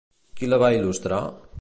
Qui la va il·lustrar?